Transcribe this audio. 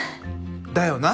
だよな？